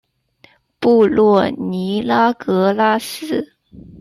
布洛尼拉格拉斯。